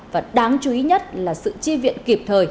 và đáng chú ý nhất là sự chi viện kịp thời